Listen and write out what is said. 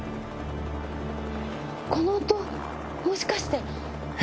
この音もしかして！